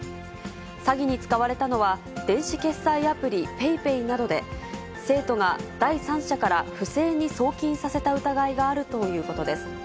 詐欺に使われたのは、電子決済アプリ、ＰａｙＰａｙなどで、生徒が第三者から不正に送金させた疑いがあるということです。